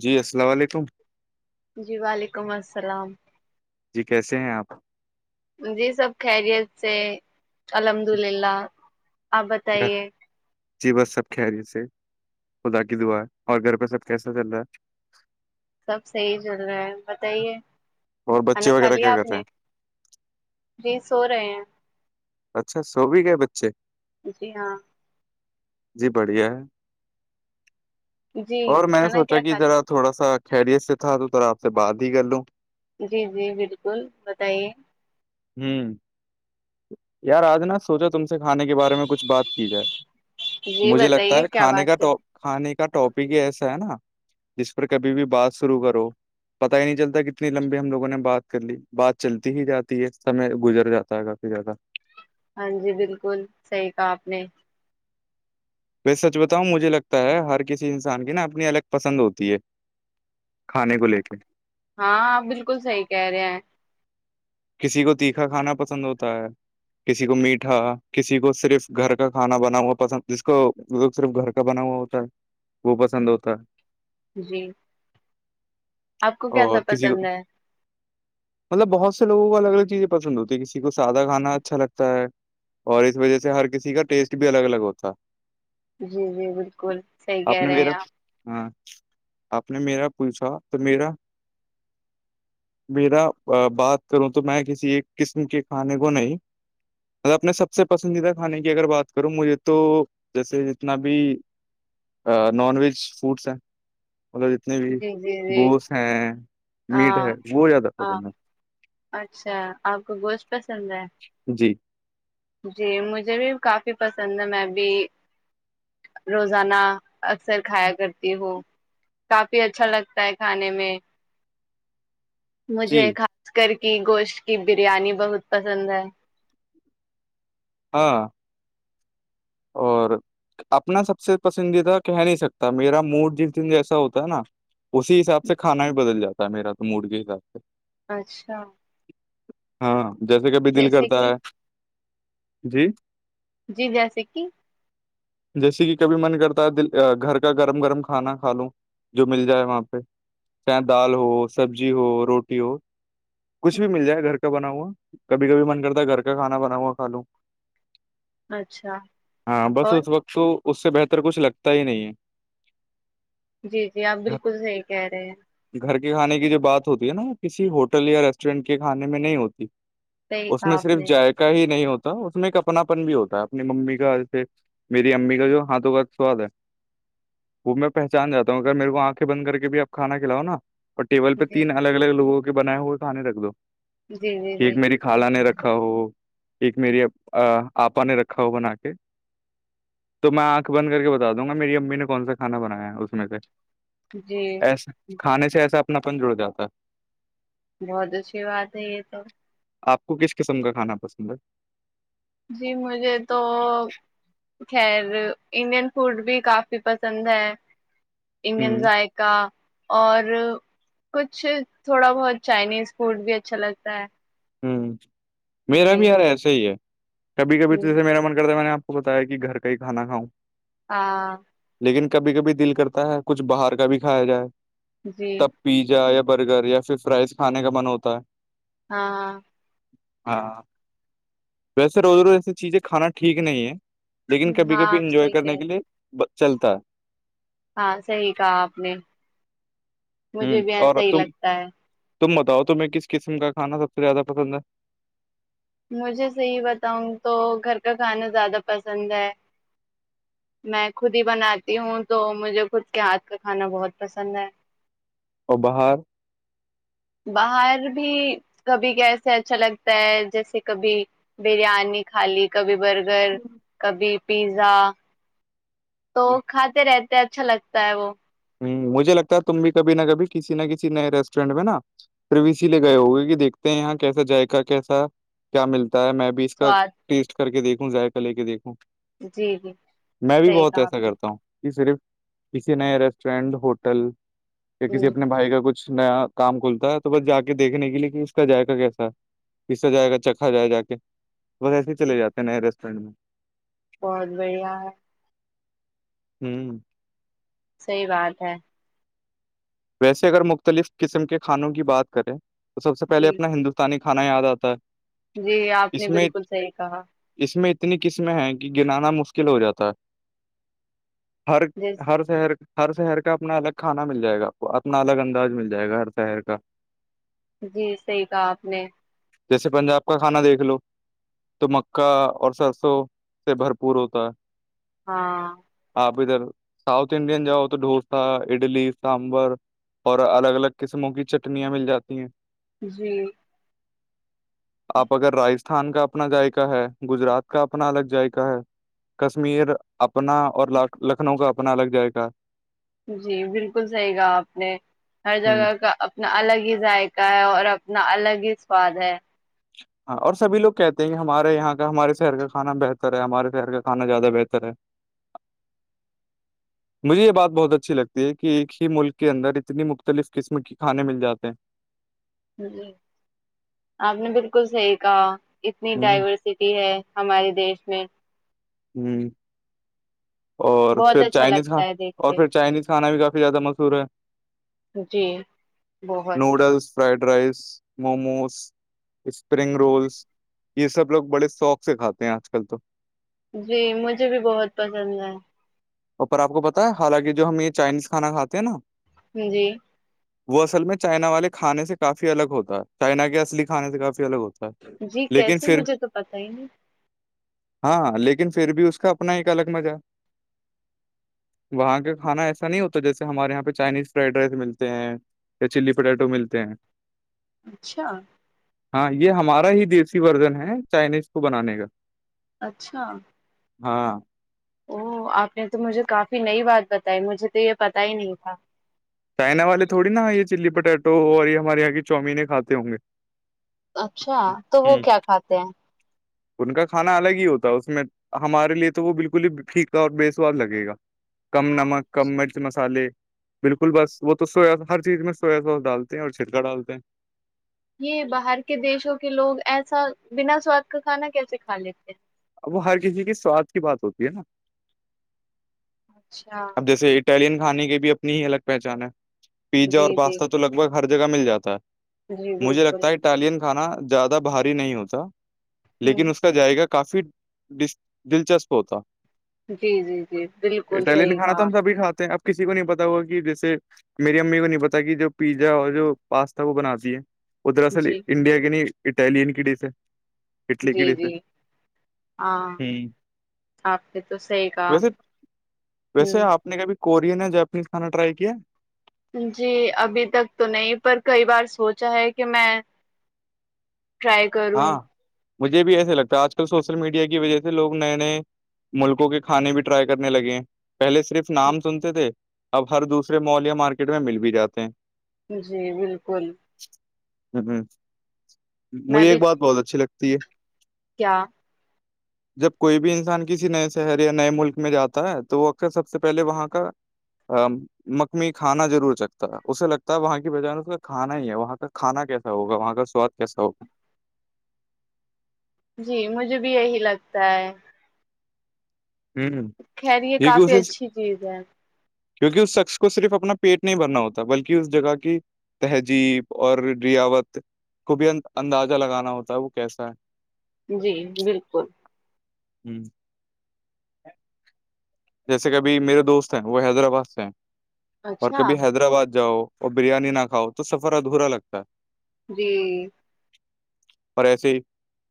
جی السلام علیکم جی وعلیکم السلام جی کیسے ہیں آپ جی سب خیریت سے الحمد للہ آپ گھر بتائیے جی بس سب خری سے خدا کی دعا اور گھر پہ سب کیسا چل رہا ہے سب صحیح چل رہا ہے بتائیے اور بچے کھانا کھا وغیرہ لیا کیا آپ کر رہے نے ہیں جی سو رہے ہیں اچھا سو بھی گئے بچے جی ہاں جی بڑھیا ہے جی اور میں نے کھانا سوچا کیا کہ کھا ذرا لیا تھوڑا سا خیریت سے تھا تو ذرا آپ سے بعد ہی کر لوں جی جی بالکل بتائیے ہوں یار آج نا سوچا تم سے کھانے کے بارے میں کچھ بات کی جائے جی مجھے لگتا بتائیے ہے کیا کھانے بات کاٹ ہے کھانے کا ٹاپک ہی ایسا ہے نا جس پر کبھی بھی بات شرع کرو پتا ہی نہیں چلتا کتنی لمبی ہم لوگوں نے بات کر لی بات چلتی ہی جاتی ہے سمے گزر جاتا ہے ا ٹھ ہے تھا ہاں جی بالکل صحی کہا آپ نے سچ بتاؤں مجھے لگتا ہے ہر کسی انسان کی نا اپنی الگ پسند ہوتی ہے کھانے کو لے کے ہاں بالکل صحی کہہ رہے ہے کسی کو تیکھا کھانا پسند ہوتا ہے کسی کو میٹھا کسی کو صرف گھر کا کھانا بنا ہوا پسند جس کو ل صرف گھر کا بنا ہوا ہوتا ہے وہ پسند ہوتا ہے جی آپ کو او کیسا کسی کو پسند ہے مطلب بہت سے لوگوں کو الگ الگیزیں پسند ہوتی ہے کسی کو سادہ کانا اچھا لگتا ہے اور اس وجہ سے ہر کسی کا ٹیسٹ بھی الگ الگ ہوتا جی جی بالکل صحیح کہہ نے رہے ہیں میرا آپ ہاں آپ نے میرا پوچھا تو میرا میرا بات کروں تو میں کسی ایک قسم کے کھانے کو نہیں اپنے سب سے پسندیدہ کھانے کی اگر بات کروں مجھے تو جیسے جتنا بھی نان ویج فوڈس ہیں مطلب جتنے بھی جی جی جی گوت ہیں میٹ ہے ہاں وہ زیادہ ہاں پسند ہے اچھا آپ کو گوشت پسند ہے جی [unintelligible] [inaudible] جی مجھے بھی کافی پسند ہے میں بھی روزانہ اکثر کھایا کرتی ہو کافی اچھا لگتا ہے کھانے میں مجھے جی خاص کر کی گوشت کی بریانی بہت پسند ہے ہاں اور اپنا سب سے پسندیدہ کہہ نہیں سکتا میرا موڈ جس دن جیسا ہوتا ہے نا اسی حساب سے کھانا بھی بدل جاتا ہے میرا تو موڈ کے حساب سے اچھا ہاں جیسے کبھی دل جیسے کرتا کہ ہے جی جی جیسکی جیسے کہ کبھی من کرتا ہے دل گھر کا گرم گرم کھانا کھا لوں جو مل جائے وہاں پہ چاہے دال ہو سبزی ہو روٹی ہو کچھ بھی مل جائے گھر کا بنا ہوا کبھی کبھی من کرتا ہے گھر کا کھانا بنا ہوا کھا لوں اچھا ہاں بس اور اس وقت تو اس سے بہتر کچھ لگتا ہی نہیں ہے جی جی آپ بالکل صحیح کہہ رہے ہیں گھر کے کھانے کی جو بات ہوتی ہے نا کسی ہوٹل یا ریسٹورینٹ کے کھانے میں نہیں ہوتی صحیح اس کہا میں آپ صرف نے جائق ہی نہیں ہوتا اس میں ایک اپناپن بھی ہوتا ہے اپنی ممی کاے میری امی کا جو ہاتھوں کا سواد ہے وہ میں پہچان جا ہوں اگر میرے کو آنکھیں بند کر کے بھی اپ کھا کھلاؤا اور ٹیبل پہ جی تین الگ الگ لوگوں کے بنائے ہوئے کھانے رکھ دو جی جی ایک جی میری خالہ نے رکھا ہو ایک میری آپا نے رکھا ہو بنا کے تو میں آنکھ بند کر کے بتا دوں گا میری امی نے کون سا کانا بنایا اس میں سے جی ایسا کھانے سے ایسا اپنا پن جڑ جاتا ہے بہت اچھی بات ہے یہ تو آپ کو کس قسم کا کھانا پسند ہے جی مجھے تو خیر انڈین فوڈ بھی کافی پسند ہے انڈین ہ ذائق کا اور کچھ تھوڑا بہت چائنیز فوڈ بھی اچھا لگتا ہے ہوں میرا جی بھی یار ایسا ہی ہے کبھی کبھی ہ تو جیسے میرا من کرتا میں نے آپ بتایا کہ گھر کا ہی کھا کاؤں ہاں لیکن کبھی کبھی دل کرتا ہے کچھ باہر کا بھی کھایا جائے جی تب پیزا یا برگر یا پھر فرائز کھانے کا من ہوتا ہے ہاں ہاں ہاں ویسے روز روز ایسی چیزیں کھانا ٹھیک نہیں ہے لیکن کبھی ہاں کبھی آپ انجوائے صحیح کرنے کہہ کے لیے چلتا ہے ہاں صحیح کہا آپ نے مجھے ہوں بھی یہاں اور صحیح تم لگتا ہے تم بتاؤ تمہیں کس قسم کا کھانا سب سے زیادہ پسند ہے مجھے صحیح بتاؤں تو گھر کا کھانا زیادہ پسند ہے میں خود ہی بناتی ہوں تو مجھے خود کے ہاتھ کا کھانا بہت پسند ہے اور بہار باہر بھی کبھی کیسے اچھا لگتا ہے جیسے کبھی بریانی خالی کبھی برگر کبھی پیزا تو کھاتے رہتے اچھا لگتا ہے وہ مجھے لگتا ہے تم بھی کبھی نہ کبھی کسی نہ کسی نئے ریسٹورینٹ میں نا پو اسی لیے گئے ہوگئے کہ دیکھتے ہیں یہاں کیسا جائق کیسا کیا ملتا ہے میں بھی اس کا سواد ٹیسٹ کر کے دیکھوں ذائقہ لے کے دیکھوں جی جی میں بھی صحیح بہت کہا ایسا آپ نے کرتا ہوں کہ صرف کسی نئے ریسٹورینٹ ہوٹل یا کسی ہ اپنے بھائی کا کچھ نیا کام کھلتا ہے تو بس جا کے دیکھنے کے لیے کہ اس کا جائقہ کیسا ہے پسا جائے گا چکھا ہو جائے جا کے بس ایسے ہی چلے جاتے ہیں نئے ریسٹورینٹ میں بہت بڑھیا ہے ہوں صحی بات ہے ویسے اگر مختلف قسم کے کھانوں کی بات کریں تو سب سے پہلے جی اپنا ہندوستانی کھانا یاد آتا ہے جی آپ نے اس میں بالکل صحیح کہا اس میں اتنی قسمیں ہیں کہ گنانا مشکل ہو جاتا ہے ہر جس ہر شہر ہر شہر کا اپنا الگ کھانا مل جائے گا اپنا الگ انداز مل جائے گا ہر شہر کا جی صحیح کہا آپ نے جیسے پنجاب کا کانا دیکھ لو تو مکہ اور سرسوں سے بھرپور ہوتا ہے ہاں آپ ادھر ساؤتھ انڈین جاؤ تو ڈوسا اڈلی سمبر اور الگ الگ قسموں کی چٹنیاں مل جاتی ہیں جی آپ اگر راستھان کا اپنا جائقہ ہے گجرات کا اپنا الگ جائقہ ہے کشمیر اپنا اور لکھنؤ کا اپنا الگ جائے گا جی بالکل صحیح کہا آپ نے ہر ہ جگہ کا اپنا الگ ہی ذائقہ ہے اور اتنا الگ ہی سواد ہے ہاں اور سبھی لوگ کہتے ہیں کہ ہمارے یہاں کا ہمارے شہر کا کھا بہتر ہے ہمارے شہر کا کانا زیادہ بہتر ہے مجھے یہ بات بہت اچھی لگتی ہے کہ ایک ہی ملک کے اندر اتنی مختلف قسم کے کھانے مل جاتے ہیں جی آپ نے بالکل صحیح کہا اتنی ہ ڈائیورسٹی ہے ہمارے دیش میں اور بہت پھر اچھا چائنیز ہ لگتا ہے دیکھ اور کے پھر چائنیز کھانا بھی کافی زیادہ مشہور ہے جی بہت noodles fried rice momos spring rolls یہ سب لوگ بڑے شوق سے کھاتے ہیں آج کل تو جی مجھے بھی بہت پسند ہے اوپر آپ کو پتا ہے حالانکہ جو ہم یہ چائنیز کھانا کھے ہیں نا جی وہ اصل میں چائنا والے کھانے سے کافی الگ ہوتا ہے چائنا کے اصلی کھانے سے کافی الگ ہوتا ہے جی لیکن کیسے پھر مجھے تو پتا ہی نہیں ہاں لیکن پھر بھی اس کا اپنا ایک الگ مزہ وہاں کا کھانا ایسا نہیں ہوتا جیسے ہمارے یہاں پہ چائنیز فرائڈ رائس ملتے ہیں یا چلی پوٹیٹو ملتے ہیں اچھا ہاں یہ ہمارا ہی دیسی ورجن ہے چائنیز کو بنانے کا اچھا ہاں او آپ نے تو مجھے کافی نئی بات بتائی مجھے تو یہ پتا ہی نہیں تھا چائنا والے تھوڑی نا یہ چلی پوٹیٹو اور یہ ہمارے یہاں کی چوومینیں کاتے ہوں گے اچھا تو وہ ہ کیا کھاتے ہیں ان کا کھانا الگ ہی ہوتا اس میں ہمارے لیے تو وہ بالکل ہی پھکا اور بے سواد لگے گا کم نمک کم مرچ مسالے کل بس وہ تو سویاس ہر چیز میں سویا سوس ڈالتے ہیں اور چھٹکا ڈالتے ہیں یہ باہر کے دیشوں کے لوگ ایسا بنا سواد کا کھانا کیسے کھا لیتے اب وہ ہر کسی کی سواد کی بات ہوتی ہے نا اچھا اب جیسے اٹلین کھانے کی بھی اپنی ہی الگ پہچان ہے پیزا اور جی جی پاستا تو لگ بھگ ہر جگہ مل جاتا ہے جی مجھے بالکل لگتا ہے اٹالین کھانا زیادہ بھاری نہیں ہوتا ہ لیکن اس کے زاغقہ کافی دلچسپ ہوتا جی جی جی بالکل اٹلین صحیح کھانا تو کہا ہم آپ سبھی کاتے ہیں اب کسی کو نہیں پتا ہوا کہ جیسے میری امی کو نہیں پتا کہ جو پیزا اور جو پاستا وہ بناتی ہے وہ دراصل جی انڈیا کی نہیں اٹالین کی ڈش ہے اٹلی جی کی ڈش ہے جی ہاں ہوں، آپ نے تو صحیح کہا ویسے ہ ویسے آپ نے کبھی کورین یا جاپنیز کھانا ٹرائی کیا جی ابھی تک تو نہیں پر کئی بار سوچا ہے کہ میں ٹری ہاں مجھے بھی ایسے لگتا ہے آج کل سوشل میڈیا کی وجہ سے لوگ نئے نئے ملکوں کے کھانے بھی ٹرائی کرنے لگے ہیں پہلے صرف نام سنتے تھے اب ہر دوسرے مول یا مارکیٹ میں مل بھی جاتے ہیں جی بالکل [inaudible] میں مجھے ایک بھی بات بہت اچھی لگتی ہے کیا جب کوئی بھی انسان کسی نئے شہر یا نئے ملک میں جاتا ہے تو وہ اکثر سب سے پہلے وہاں کا مخمی کھانا ضرور چکھتا ہے اسے لگتا ہے وہاں کی بھائی جان اس کا کھانا ہی ہے وہاں کا کھانا کیسا ہوگا وہاں کا سواد کیسا ہو جی مجھے بھی یہی لگتا ہے ہوں خیر یہ کافی کوشش اچھی چیز ہے کیونکہ اس شخص کو صرف اپنا پیٹ نہیں بھرنا ہوتا بلکہ اس جگہ کی تہذیب اور روایات کو بھی اندازہ لگانا ہوتا ہے وہ کیسا ہے جی بالکل ہ جیسے کبھی میرے دوست ہیں وہ حیدرآباد سے ہیں اور اچھا کبھی حیدرآباد جاؤ اور بریانی نہ کھاؤ تو سفر ادھورا لگتا ہے جی اور ایسے ہی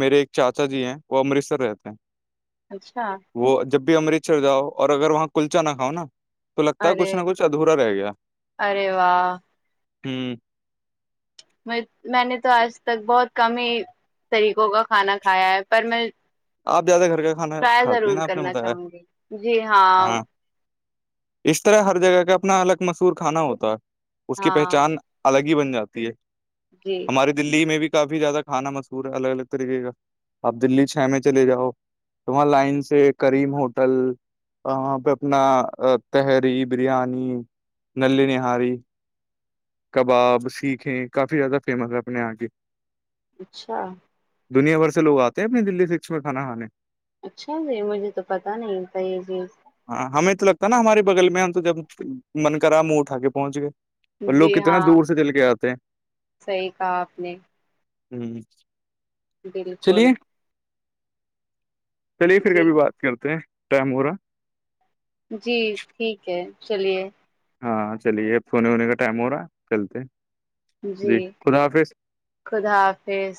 میرے ایک چاچا جی ہیں وہ امرتسر رہتے ہیں اچھا وہ جب بھی امرتسر جاؤ اور اگر وہاں کلچا نہ کھاؤ نا تو لگتا ہے کچھ ارے نہ کچھ ادھورا رہ گیا ارے واہ ہوں میں نے تو آج تک بہت کم ہی طریقوں کا کھانا کھایا ہے پر میں آپ زیادہ گھر کا کھانا ٹرائی کھاتی ہیں ضرور نا آپ نے کرنا بتایا چاہوں گی جی ہاں اس طرح ہر جگہ کا اپنا الگ مسہور کھانا ہوتا ہے اس کی ہاں پہچان الگ ہی بن جاتی ہے جی ارے دلی میں بھی کافی زیادہ کھانا مشکور ہے الگ طریقے کا اپ دلی چھا میں چلے جاؤ تمہ لائن سے کریم ہوٹل وہاں پہ اپنا تہری بریانی نلیی نہاری کباب سیکھیں کافی زیادہ فیمس ہے اپنے یہاں کی اچھا دنیا بھر سے لوگ آتے ہیں اپنی دلی سکس میں کھانا کھانے اچھا جی مجھے تو پتا نہیںتا یہ جیز ہاں ہمیں تو لگتا ہے نا ہمارے بغل میں ہم تو جب من کرا منہ اٹا کے پہنچ گئے اور لوگ جی کتنا ہاں دور سے چل کے آتے ہیں صحیح کہا آپ نے ہ بالکل چلیے چلیے پھر جی کبھی بات کرتے ہیں ٹائم ہو رہا جی ٹھیک ہے چلیے ہاں چلیے فونے ونے کا ٹائم ہو رہا چلتے جی خدا حافظ خدا حافظ